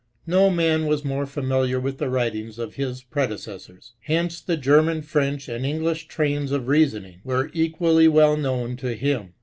No man was more familiar with the writings of his predecessors. Hence the German, French, and English trains of reasoning were equally well known to him.